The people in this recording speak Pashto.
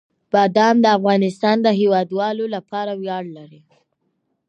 بادام د افغانستان د هیوادوالو لپاره ویاړ دی.